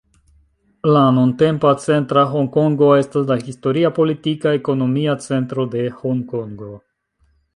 La nuntempa centra Honkongo estas la historia, politika, ekonomia centro de Honkongo.